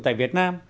tại việt nam